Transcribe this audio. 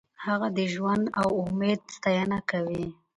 هغه د ژوند او امید ستاینه کوي.